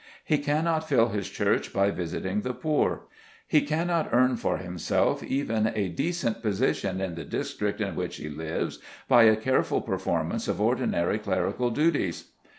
He cannot fill his church by visiting the poor. He cannot earn for himself even a decent position in the district in which he lives by a careful performance of ordinary clerical duties.